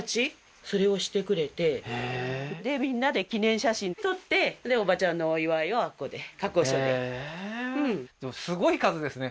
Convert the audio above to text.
それをしてくれてでみんなで記念写真撮ってでおばちゃんのお祝いをあっこで加工所でへえーでもすごい数ですね